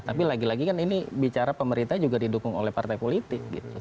tapi lagi lagi kan ini bicara pemerintah juga didukung oleh partai politik gitu